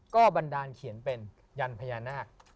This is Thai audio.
ก็บันดาลเขียนเป็นยันพญานาค